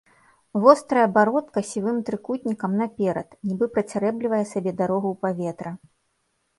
Вострая бародка сівым трыкутнікам наперад, нібы працярэблівае сабе дарогу ў паветра.